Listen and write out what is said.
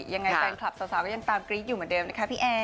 ยังไงแฟนคลับสาวก็ยังตามกรี๊ดอยู่เหมือนเดิมนะคะพี่แอร์